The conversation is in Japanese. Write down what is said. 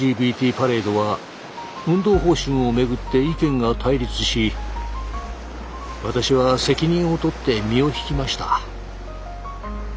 パレードは運動方針をめぐって意見が対立し私は責任を取って身を引きました。